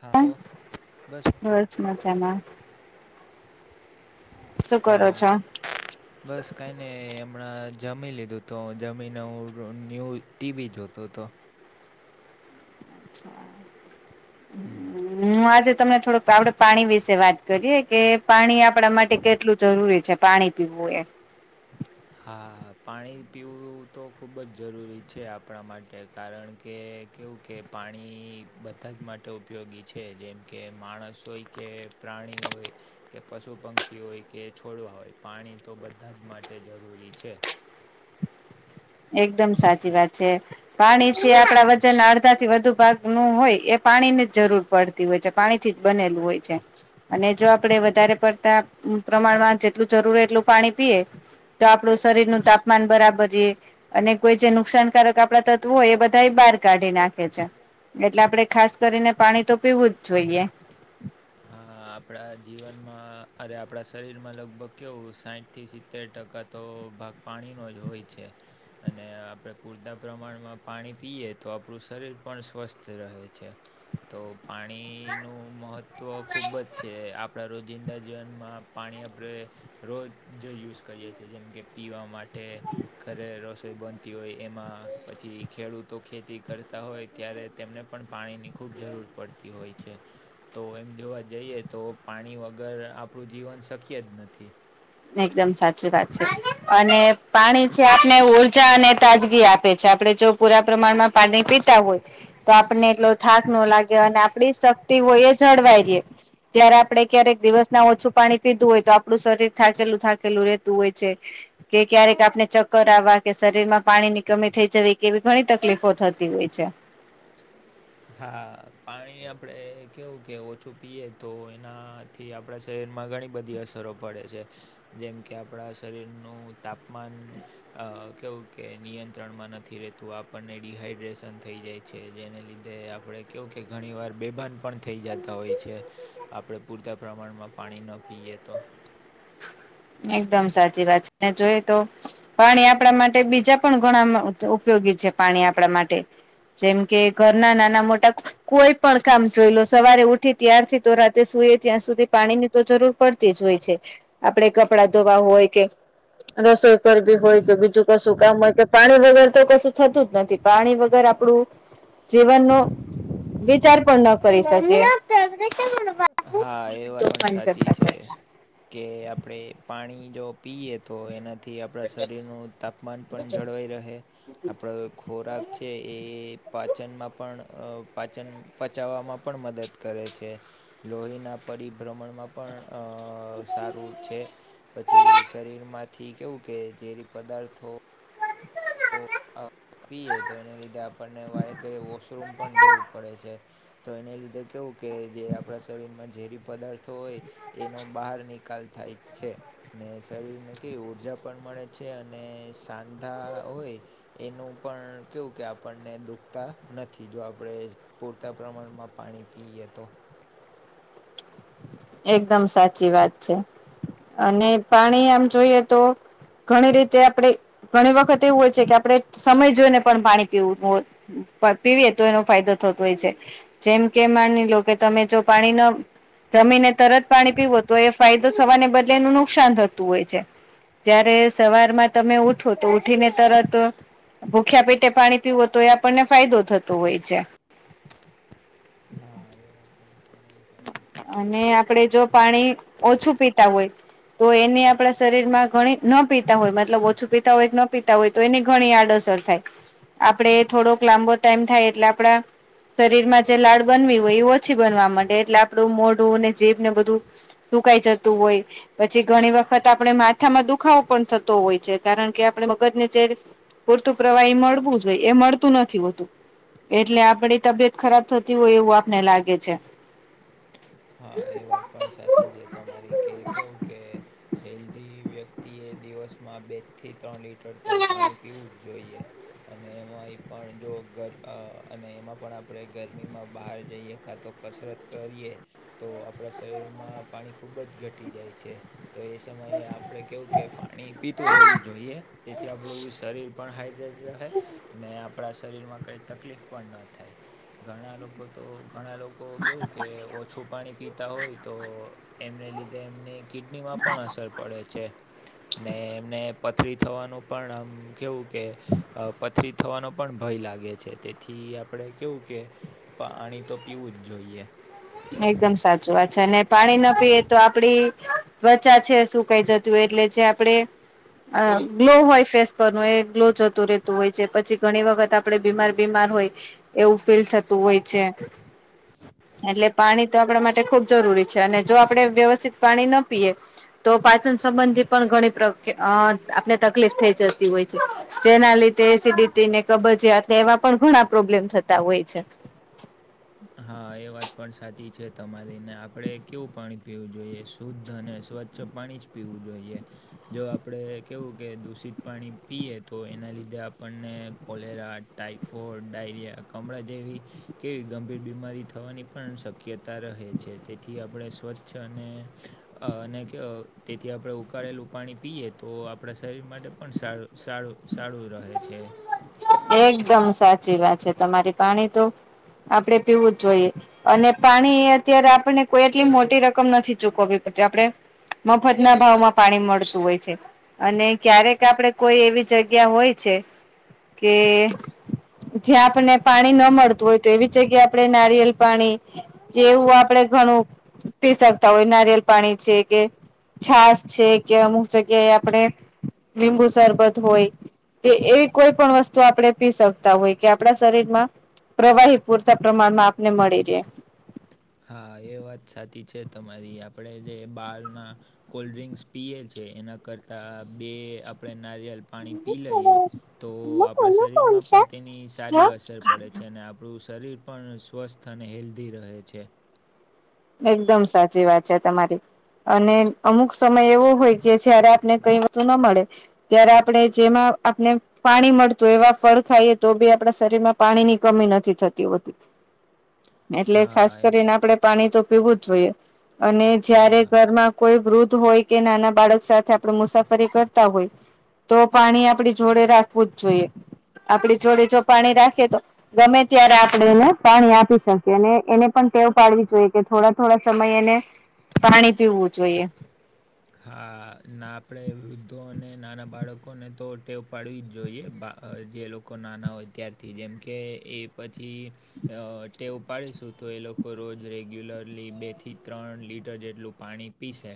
હા તો બસ મજામાં. શું કરો હાત. છો? બસ કઈ નેય અમણાં જમી લીધું તો જમીને હું રું ન્યૂ ટીવી જોતો તો. [inaudible] હમ્મ. હું આજે તમને થોડુંક પાવડ પાણી વિશે વાત કરીએ કે પાણી આપ આપડા માટે કેટલું જરૂરી છે પાણી પીવું એમ. હા પાણી પીવું તો ખૂબ જ જરૂરી છે આપણા માટે. કારણ કે કેવું કે પાણી બધા જ માટે ઉપયોગી છે જેમ કે માણસ હોય કે પ્રાણી હોય કે, પશુ પંખી હોય કે, છોડવા હોય પાણી તો બધા જ માટ તે જરૂરી છે. એકદમ સાચી વાત છે પાણી છે આપડા વધ તેના અડધા થી વધુ ભાગનું હોય એ પાણીની જ જરૂર પડતી હોય છે. પાણીથી જ બનેલું હોય છે. અને જો આપડે વધારે પડતા પ્રમાણમાં જેટલું જરૂર હોય એટલું પાણી પીએ તો આપડું શરીર નું તાપમાન બરાબર રેય. અને કોઈ જે નુકસાનકારક આપડા તત્વો હોય એ બધાયે બાર કાઢી નાખે છે. એટલે આપડે ખાસ કરીને પાણી તો પીવું જ જોઈએ. હા આપણા જીવનમાં અરે આપડા શરીરમાં લગભગ કેવું સાઈટ થી સિત્તેર ટકા તો ભાગ પાણીનો જ હોય છે. અને આપણે પૂરતા પ્રમાણમાં પાણી પીએ તો આપણું શરીર પણ સ્વસ્થ રહે છે. તો પાણીનું મહત વ ખૂબ જ છે આપણા રોજિંદા જીવનમાં પાણી આપડે રોજ જ યુઝ કરીએ છીએ જેમ કે પીવા માટે ઘરે રસોઈ બનતી હોય એમાં પછી ખેડૂતો ખેતી કરતા હોય ત્યારેત. તેમને પણ પાણીની ખૂબ જરૂર પડતી હોય છે. તો એમ જોવા જઈએ તો પાણી વગર આપણું જીવન શક્ય જ નથી. એકદમ સાચી વાત છે અને પાણી છે આપને ઉર્જા અને તાજગી આપે છે આપડે જો પૂરા પ્રમાણમાં પાનિ પીતા હોય તો આપને એટલો થાક નો લાગે અને આપડી શક્તિ હોય એ જળવાય રીએ. જયારે આપડે ક્યારેક દિવસ ના ઓછું પાણી પીધું હોય તો આપડુ શરીર થાકેલું થાકેલું રહેતું હોય છે. કે ક્યારેક આપને ચક્કર આવવા કે શરીર માં પાણી ની કમી થઈ જવી કેવી ઘણી તકલીફો થતી હોય છે. હા પાણી આપડે કેવું કે ઓછું પીએ તો એના થી આપડા શરીરમાં ઘણી બધી અસરો પડે છે. જેમ કે આપડા શરીરનું તાપમાન અ કેવું કે નિયંત્રણમાં નથી રેતું આપણને ડીહાઈડ્રેશન થઈ જાય છે જેને લીધે તે આપણે કેવું કે ઘણી વાર બેભાન પણ થઈ જાતા હોય છે. આપડે પૂરતા પ્રમાણમાં પાણી ન પીએ તો. એકદમ સાચી વાત છે ને જોઈ તો પાણી આપણા માટે બીજા પણ ઘણા મ ઉપયોગી છે પાણી આપણા માટે. જેમ કે ઘરના નાના મોટા કોઈ પણ કામ જોઈ લો સવારે ઉઠી ત્યારથી તો રાતે સુઈએ ત્યાં સુધી પાણી ની તો જરૂર પડતી જ હોય છે આપડે કપડાં ધોવા હોય કે રસોઈ કરરબી હોય કે બીજું કશું કામ હોય કે પાણી વગર તો કશું થતું જ નથી. પાણી વગર આપડું જીવનનું વિચાર પણ ન કરી શકીએ. હા એ વાત પણ સાચી છે. કે આપણે પાણી જો પીએ તો એના થી આપણા શરીરનું તાપમાન પણ જળવાઈ રહે, આપણો ખોરાક છે. એ પાચનમાં પણ પાચન પચાવવામાં પણ મદદ કરે છે. લોહીના પરિભ્રમણમાં પણ સારું છે. પછી શરીર માંથી કેવું કે ઝેરી પદાર્થો પીએ તો એને લીધે આપણને વારે ઘરે વોશરૂમ પણ જવું પડે છે. તો એને લીધે કેવું કે જે આપણા શરીરમાં ઝેરી પદાર્થો હોય, એનો બહાર નીક નિકાલ થાય છે, ને શરીરને કેવી ઉર્જા પણ મળે છે અને સાંધા હોય, એનું પણ કેવું કે આપણને દુખતા નથી જો આપણે. પૂરતા પ્રમાણમાં પાણી પીએ તો. એકદમ સાચી વાત છે, અને પાણી આમ જોઈએ તો. ઘણી રીતે આપણે ઘણી વખત એવું હોય છે કે આપણે સમય જોઈને પણ પાણી પીવું હોય. પીવીએ તો એનો ફાયદો થતો હોય છે. જેમ કે માની લો કે તમે જો પાણી ન જમીને તરત પાણી પીવું તો એ ફાયદો થવાને બદલે એનું નુકસાન થતું હોય છે. જયારે સવારમાં તમે ઉઠો તો ઉઠીને તરત ભૂખ્યા પેટે પાણી પીવું તો એ આપણને ફાયદો થતો હોય છે. હા, એ વાત પણ તમારી સાચી છે કે અને આપણે કેવું જો કે પાણી ઓછું પીતા હોય. તો એની આપણા શરીર માં ઘણી ન પીતા હોય મતલબ ઓછું પીતા હોય ન પીતા હોય. તો એની ઘણી આડઅસર થાય, આપણે થોડોક લાંબો ટાઈમ થાય એટલે આપડા શરીર માં જે લાડ બનવી હોય એ ઓછી બનવા માટે. એટલે આપડું મોઢું અને જીભ ને બધું સુકાય જતું તો હોય. પછી ઘણી વખત આપણે માથામાં દુખાવો પણ થતો હોય છે, કારણ કે આપણે મગજને જે પૂરતું પ્રવાહી મળવું જો હોય એ મળતું નથી હોતું. એટલે આપડી તબિયત ખરાબ થતી હોય એવું આપને લાગે છે. હા એ વાત પણ સાચી છે તમારી, કે કેવું કે હેલ્ધી વ્યક્તિ તેએ દિવસમાં બે થી ત્રણ લીટર તો પાણી પીવું જ જોઈએ. અને એમાં એ પણ જો ગર અને એમાં પણ આપણે ગરમીમાં બહાર જઈએ કાં તો કસરત કરીએ તો આપણા શરીરમાં પાણી ખૂબ જ ઘટી જાય છે. તો એ સમયે આપડે કેવું કે પાણી પીતું રહેવું જોઈએ, તેથી આપડું શરીર પણ હાઈડ્રેડ રહે, અને આપણા શરીરમાં કાંઈ તકલીફ પણ ન થાય. ઘણા લોકો તો ઘણા લોકો કેવું કે ઓછું પાણી પીતા હોય તો એમને લીધે એમને કિડનીમાં પણ અસર પડે છે. ને એમને પથરી થવાનું પણ આમ કેવું કે અહ પથરી થવાનો પણ ભય લાગે છે. તેથી આપણે કેવું કે પાણી તો પીવું જ જોઈએ. એકદમ સાચી વાત છે. અને પાણી ના પીએ તો આપડી [unintelligible] છે સૂકાઈ જતી હોય એટલે જે આપડે અહ ગ્લો હોય ફેસ પરનું એ ગ્લો જતું રહેતું હોય છે. પછી ઘણી વખત આપ પણે બીમાર-બીમાર હોય એવું ફીલ થતું હોય છે. એટલે પાણી તો આપણા માટે ખૂબ જરૂરી છે. અને જો આપડણે વ્યવસ્થિત પાણી ન પીએ તો પાચન સંબંધી પણ ઘણી પ્ર અહ આપને તકલીફ થઈ જતી હોય છે. જેના લીધ ધે એસિડિટી ને કબજિયાત એવા પણ ઘણા પ્રોબ્લેમ થતા હોય છે. હા એ વાત પણ સાચી છે તમારી. ને આપણે કેવું પાણી પીવું જોઈએ? શુદ્ધ અને સ્વચ્છ છ પાણી જ પીવું જોઈએ. જો આપણે કેવું કે દૂષિત પાણી પીએ તો એના લીધે આપણને કોલેરા ટાઈફોડ, ડાયરિયા, કમળા જેવી કેવી. ગંભીર બીમારી થવાની પણ શક્યતા રહે છે. તેથી આપણે સ્વચ્છ અને અને કે તેથી આપણે ઉકાળેલું પાણી પીએ તો આપણા શરીર માટે પણ સારું-સારું-સારું રહે છે. એકદમ સાચી વાત છે તમારી. પાણી તો આપડે પીવું જ જોઈએ. અને પાણી અત્યારે આપને કોઈ એટલી મોટી રકમ નથી ચૂકવવી પતી આપડે. મફતના ભાવમાં પાણી મળતું હોય છે. અને ક્યારેક આપડે કોઈ એવી જગ્યા હોય છે. કે, જયા આપણને પાણી ન મળતું હોય તેવી. જગ્યા આપડે નારિયેલ પાણી, જેવું આપડે ઘણું. પી શકતા હોય, નારિયેલ પાણી છે કે. છાસ છે કે અમુક જગ્યાએ આપણે લીંબુ સરરબત હોય. તો એવી કોઈ પણ વસ્ત તો આપડે પી શકતા હોય, કે આપણા શરીર માં પ્રવાહી પૂરતા પ્રમાણમાં આપને મળી રહે. હા એ વાત સાચી છે તમારી, આપણેે જે બારના. કોલ્ડ્રિંક્સ પીએલ છે, એના કરતા બે આપણે નારિયલ. પાણી પી લઈએ, તો આપણા શરીરમાં પણ તેની સારી હા અસર પડે છે. તેને આપણું શરીર પણ સ્વસ્થ અને હેલ્ધી રહે છે. એકદમ સાચી વાત છે તમારી. અને અમુક સમય એવો હોય કે જયારે આપને કઈ વતુ ના મળે. ત્યારે આપણે જેમાં આપને પાણી મળતું એવા ફળ ખાઈએ, તો બી આપણા શરીરમાં. પાણી ની કમી નથી થતી હોતી. [inaudible] એટલે ખાસ હા એમ કરીને આપણેે પાણી તો પીવું જ જોઈએ, અને જયારે હા ઘરમાં. કોઈ વૃદ્ધ હોય કે, નાના બાળક સાથે આપણે મુસાફરી કરતા હોય. તો પાણી આપણી જોડે રાખવું જ જોઈએ, આપણી જોડે જો પાણી રાખીએ તો. ગમે ત્યારે આપણે એને પાણી આપી શકીએ, અને એને પણ ટેવ પાડવી જોઈએ. કે થોડા થોડા સમય એને પાણી પીવું જોઈએ. હા ના આપણેે વૃદ્ધો અને નાના બાળકોને તો ટેવ પાડવી જ જોઈએ, બા અ જે લોકો નાના હોય ત્યારથી, જેમકે એ પછી અ ટેવ ઉપાડીશું. તો એ લોકો રોજ રેગ્યુલરલી બેથી ત્રણ લીટર જેટલું પાણી પીશે.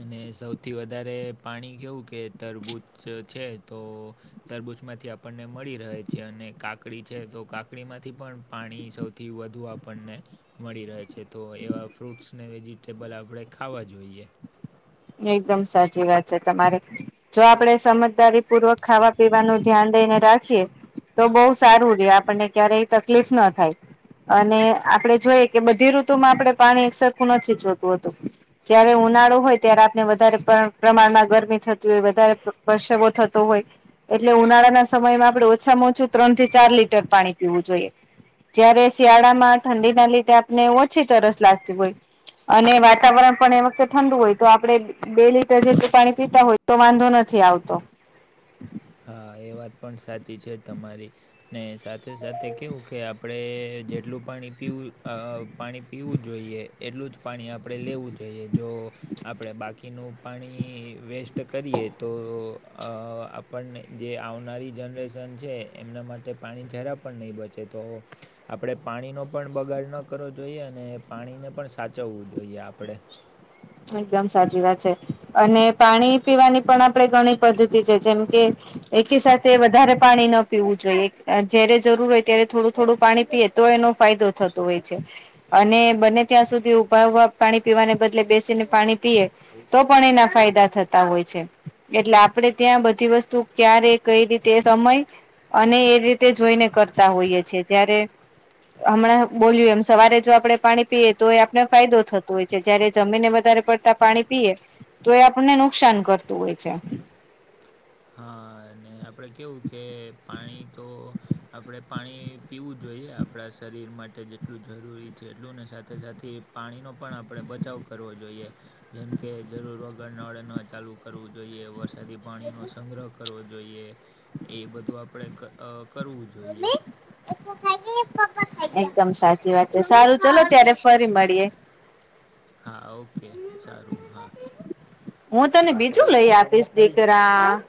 અને સૌથી વધારે પાણી કેવું કે તરબૂચ છે તો. તરબૂજ માંથી આપણને મળી રહે છે અને કાકડી છે તો કાકડીમાંથી પણ પાણી સૌથી. થી વધુ આપણને. મળી રહે છે, તો એવા ફ્રૂટ્સ ને વેજીિટેબલ આપણે ખાવા જોઈએ. એકદમ સાચી વાત છે, તમારે. જો આપડે સમજદારી પૂર્વક ખાવા પીવાનું ધ્યાન દઈને રાખીએ. તો બહુ સારું રે, આપણને ક્યારેય તકલીફ ના થાય. અને આપડણે જોઈએ કે બધી ઋતુમાં આપણે પાણી એક સરરખું નથી જોતું હતું. જયારે ઉનાળો હોય. ત્યારે આપને વધારે પ્ર પ્રમાણમાં ગરમી થતી હોય, વધારે પ્ર પ્રસવો થતો હોય. એટલે ઉનાળાના સમયમાં આપડણે ઓછામાં ઓછું ત્રણ થી ચાર લીટર પાણી પીવું જોઈએ. જયારે શિયાળા માં ઠંડી ના લીધે આપને ઓછી તરસ લાગતી હોય. અને વાતાવરણ પણ એ વખતે ઠંડુ હોય. તો આપડે બે લીટર જેટલું પાણી પીતા હોય તો વાંધો નથી આવતો. હા એ વાત પણ સાચી છે તમારી, ને સા થે સાથે કેવું કે આપણે જેટલું પાણી પીવું અ પાણી પીવું જોઈએ એટલું જ પાણી આપણે લેવું જોઈએ જો આપણે બાકીનું પાણી વેસ્ટ કરીએ તો આ પણને જે આવનારી જનરેશન છે, એમના માટે પાણી જરા પણ નહીં બચે તો આપણે પાણીનો પણ બગાડ ન કરવો જોઈએ, અને પાણીને પણ સાચવવું જોઈએ આપણેે એકદમ સાચી વાત છે, અને પાણી પીવાની પણ આપણેે ઘણી પદ્ધતિ છે, જેમ કે એકી સાથે વધારે પાણી ન પીવું જોઈએ, અ જયારે જરૂર હોય ત્યારે થોડું થોડું પાણી પીએ તો એનો ફાયદો થતો હોય છે, અને બંને ત્યાં સુધી ઊભા ઉભા પાણી પીવાને બદલે બેસ જેને પાણી પીએ, તો પણ એના ફાયદા થતા હોય છે. એટલે આપડે ત્યાં બધી વસ્તુ ક્યારે કઈ રીતે એ સમય અને એ રીતે જોઈને કરતા હોઈએ છે, જ્યારે હમણાં બોલ્યું એમ સવારે જો આપણે પાણી પીએ તો આપને ફાયદો થતો હોય છે, જયારે જમીનને વધારે પડતા પાણી પીએ તો એ આપણને નુકસાન કરતું હોય છે. હા, અને આપણે કેવું કે પાણી તો આપણે પાણી પીવું જોઈએ, આપણા શરીર માટે જેટલું જરૂરી છે એટલું ને સાથે સાથે પાણીનો પણ આપણે બચાવ કરવો જોઈએ, જેમકે જરૂર વગર નળ ન ચાલુ કરવું જોઈએ, વરસાદી પાણી નો સંગ્રહ કરવો જોઈએ, એ બધું આપણે કરવું જોઈએ [unintelligible] એકદમ સાચી વાત છે, સારું ચલો ત્યારે ફરી મળીએ. હા ઓકે સારું હા હું તને બીજું લઈ આપીશ દીકરા